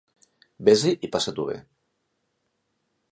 Vés-hi i passa-t'ho bé.